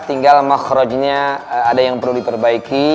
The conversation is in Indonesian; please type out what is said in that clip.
tinggal makhrojinya ada yang perlu diperbaiki